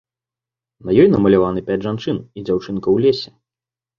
На ёй намаляваны пяць жанчын і дзяўчынка ў лесе.